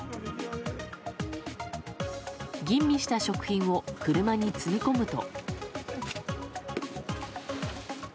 吟味した食品を車に積み込むと。